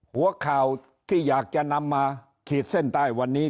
หัวข่าวที่อยากจะนำมาขีดเส้นใต้วันนี้